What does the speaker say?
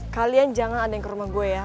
kalian jangan ada yang ke rumah gue ya